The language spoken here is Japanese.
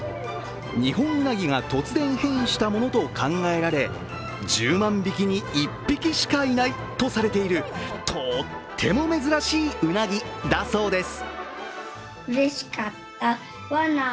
ニホンウナギが突然変異したものと考えられ１０万匹に１匹しかいないとされている、とっても珍しいうなぎだそうです。